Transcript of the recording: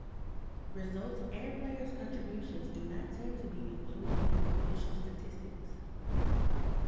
Results and players' contributions do not tend to be included in official statistics.